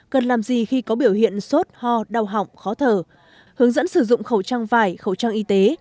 cần làm gì khi có biểu hiện sốt ho đau họng khó thở hướng dẫn sử dụng khẩu trang vải khẩu trang y tế